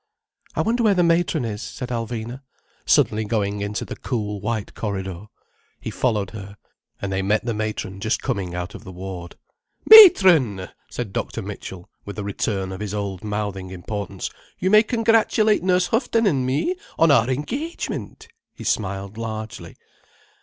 "I wonder where the matron is," said Alvina, suddenly going into the cool white corridor. He followed her. And they met the matron just coming out of the ward. "Matron!" said Dr. Mitchell, with a return of his old mouthing importance. "You may congratulate Nurse Houghton and me on our engagement—" He smiled largely.